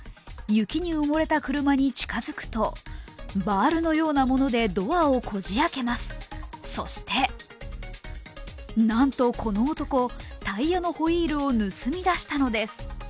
雪に埋もれた車に近づくとバールのようなものでドアをこじ開けます、そしてなんと、この男、タイヤのホイールを盗み出したのです。